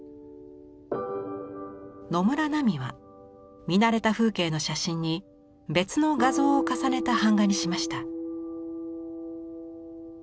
野村菜美は見慣れた風景の写真に別の画像を重ねた版画にしました。